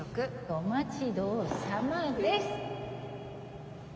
お待ち遠さまです！